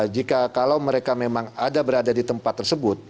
jika kalau mereka memang ada berada di tempat tersebut